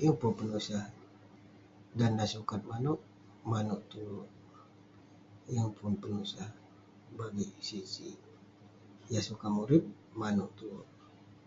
Yeng pun penusah. Dan nah sukat manouk, manouk tue. Yeng pun penusah bagik sik sik. Yah sukat murip, manouk tue.